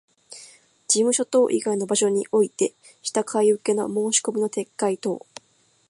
事務所等以外の場所においてした買受けの申込みの撤回等